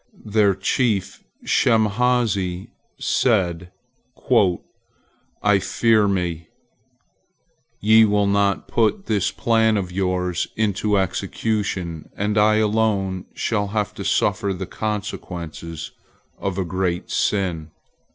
Their chief Shemhazai said, "I fear me, ye will not put this plan of yours into execution, and I alone shall have to suffer the consequences of a great sin."